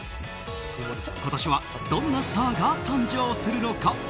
今年はどんなスターが誕生するのか。